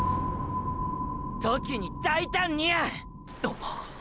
“時に大胆に”や！！！